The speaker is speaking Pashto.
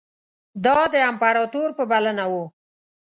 دا د امپراطور په بلنه وو.